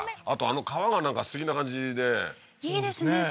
あとあの川がなんかすてきな感じでいいですね